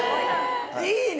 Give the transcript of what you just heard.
いいね！